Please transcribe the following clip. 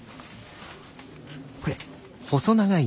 これ。